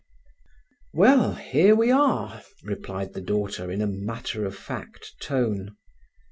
"Well, here we are!" replied the daughter in a matter of fact tone.